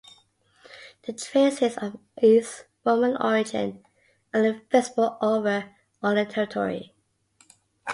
The traces of its Roman origin are visible over all the territory.